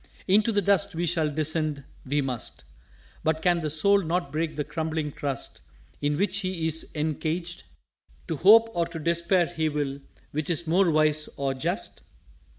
_" "Into the Dust we shall descend we must. But can the soul not break the crumbling Crust In which he is encaged? To hope or to Despair he will which is more wise or just?"